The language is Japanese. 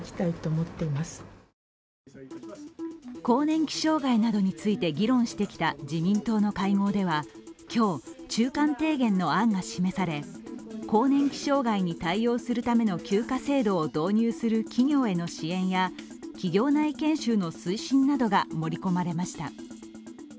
更年期障害などについて議論してきた自民党の会合では今日、中間提言の案が示され更年期障害に対応するための休暇制度を導入する企業への支援や企業内研修の推進などが盛り込まれました。